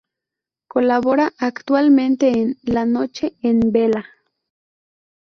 Colabora actualmente en "La noche en vela".